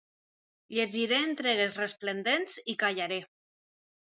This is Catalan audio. Llegiré entregues resplendents i callaré.